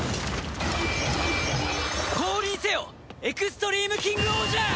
降臨せよエクストリームキングオージャー！